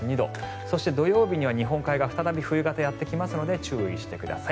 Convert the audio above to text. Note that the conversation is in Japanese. そして土曜日には日本海側再び冬型がやってきますので注意してください。